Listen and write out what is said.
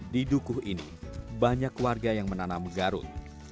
di dukuh ini banyak warga yang menanam garut